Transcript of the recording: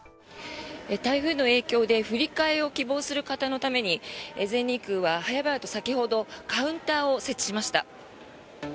台風の影響で振り替えを希望する方のために全日空は早々と、先ほどカウンターを設置しました。